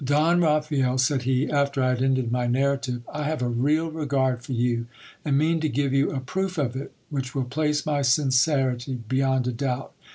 Don Raphael, said he, after I had ended my narrative, I have a real regard for you, and mean to give you a proof of it, which will place my sincerity be yond a doubt.